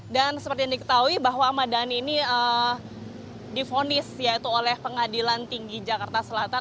dan seperti yang diketahui bahwa ahmad dhani ini difonis oleh pengadilan tinggi jakarta selatan